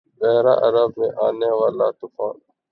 بحیرہ عرب میں آنے والا ’طوفان